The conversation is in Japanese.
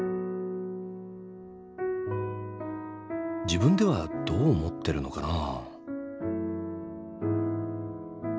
自分ではどう思ってるのかな？